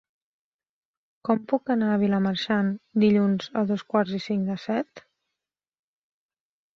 Com puc anar a Vilamarxant dilluns a dos quarts i cinc de set?